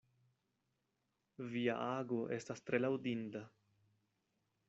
Via ago estas tre laŭdinda.